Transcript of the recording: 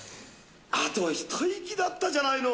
あと一息だったじゃないの。